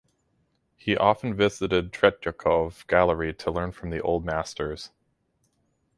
He often visited Tretyakov Gallery to learn from the Old Masters.